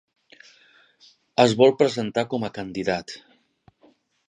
Es vol presentar com a candidat.